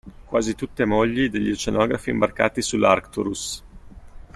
Quasi tutte mogli degli oceanografi imbarcati sull'Arcturus.